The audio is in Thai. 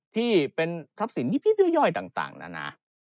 ที่เป็นทรัพย์สินยิบย่อยต่างนานา